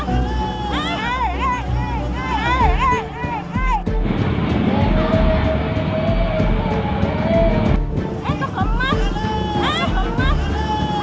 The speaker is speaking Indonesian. untuk mengecek bola tkp